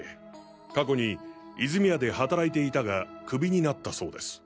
過去に泉谷で働いていたがクビになったそうです。